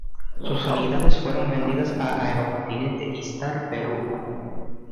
Sus unidades fueron vendidas a Aero Continente y Star Perú.